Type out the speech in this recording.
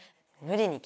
無理に。